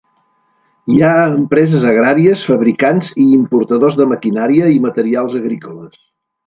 Hi ha empreses agràries, fabricants i importadors de maquinària i materials agrícoles.